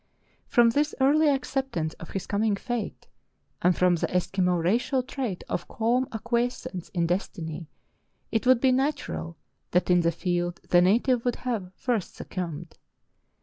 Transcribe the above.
From this early acceptance of his coming fate, and from the Es kimo racial trait of calm acquiescence in destiny, it would be natural that in the field the native would have first succumbed.